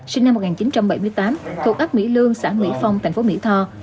sinh năm một nghìn chín trăm bảy mươi tám thuộc ấp mỹ lương xã mỹ phong thành phố mỹ tho